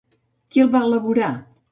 Qui el va elaborar?